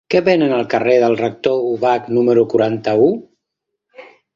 Què venen al carrer del Rector Ubach número quaranta-u?